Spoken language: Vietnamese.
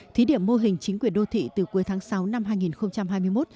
thí điểm mô hình chính quyền đô thị từ cuối tháng sáu năm hai nghìn hai mươi một